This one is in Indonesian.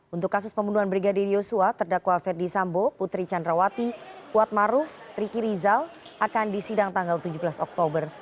untuk kasus pembunuhan brigadir yosua terdakwa ferdi sambo putri candrawati kuat maruf ricky rizal akan disidang tanggal tujuh belas oktober